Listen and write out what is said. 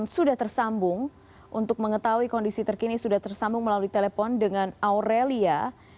sudah tersambung untuk mengetahui kondisi terkini sudah tersambung melalui telepon dengan aurelia